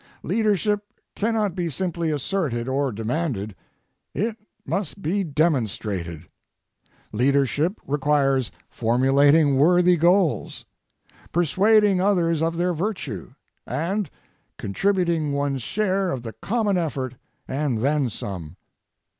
Leadership cannot be simply asserted or demanded. It must be demonstrated. Leadership requires formulating worthy goals, persuading others of their virtue, and contributing one's share of the common effort and then some.